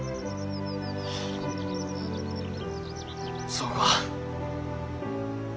そうか。